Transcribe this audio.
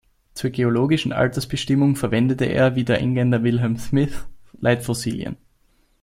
Zur geologischen Altersbestimmung verwendete er wie der Engländer William Smith Leitfossilien.